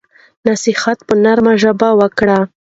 نصیحت په نرمه ژبه وکړئ.